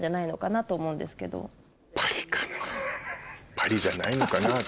パリじゃないのかな私。